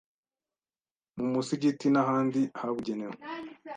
mu musigiti n’ahandi. habugenewe